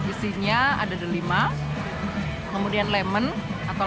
isinya ada delima lemon atau lemon dan nanas